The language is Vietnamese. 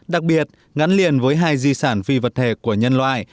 đặc biệt ngắn liền với hai di sản phi vật thể của nhân loại